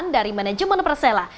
dari manajemen persela